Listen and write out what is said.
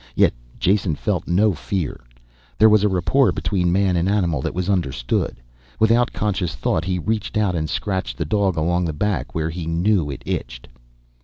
Yet Jason felt no fear. There was a rapport between man and animal that was understood. Without conscious thought he reached out and scratched the dog along the back, where he knew it itched.